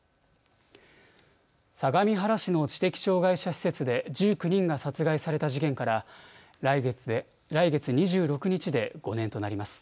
相模原市の知的障害者施設で１９人が殺害された事件から来月２６日で５年となります。